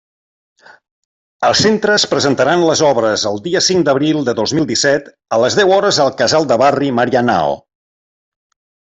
Els centres presentaran les obres el dia cinc d'abril de dos mil disset a les deu hores al Casal de Barri Marianao.